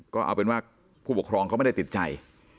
ก็เอาเป็นว่าผู้ปกครองเขาไม่ได้ติดใจ